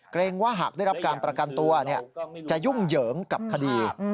เกรงว่าหากได้รับการประกันตัวจะยุ่งเหยิงกับคดี